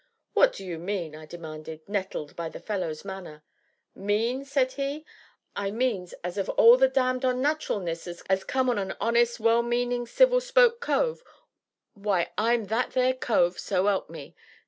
"What do you mean?" I demanded, nettled by the fellow's manner. "Mean?" said he, "I means as of all the damned onnat'ralness as come on a honest, well meaning, civil spoke cove why, I'm that there cove, so 'elp me!"